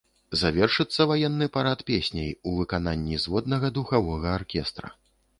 Завершыцца ваенны парад песняй у выкананні зводнага духавога аркестра.